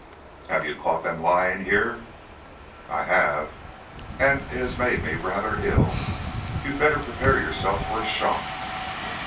"Have you caught them lying, here?" "I have. And it has made me rather ill. You'd better prepare yourself for a shock."